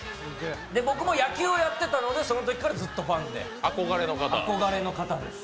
僕も野球をやっていたのでそのときからファンで憧れの方です。